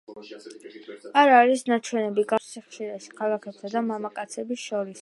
არ არის ნაჩვენები განსხვავება დაავადების სიხშირეში ქალებსა და მამაკაცებს შორის.